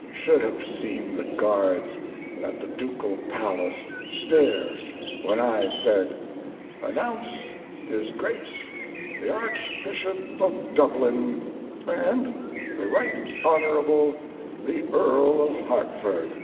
You should have seen the guards at the ducal palace stare when I said, "Announce his Grace the Archbishop of Dublin and the Right Honorable the Earl of Hartford."